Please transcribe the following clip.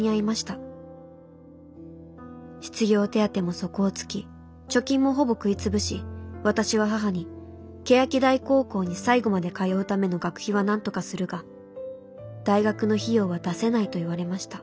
失業手当も底を突き貯金もほぼ食いつぶし私は母に欅台高校に最後まで通うための学費はなんとかするが大学の費用は出せないと言われました。